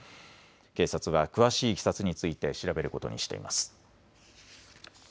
警察は詳しいいきさつについて調べることにしています。